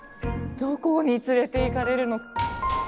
どこに連れていかれるの？